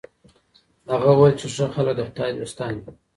هغه وویل چي ښه خلک د خدای دوستان دي.